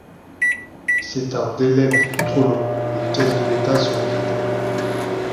C’est un délai beaucoup trop long, les caisses de l'État sont vides.